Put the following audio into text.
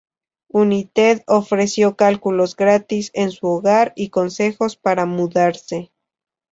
United ofrece cálculos gratis en su hogar y consejos para mudarse.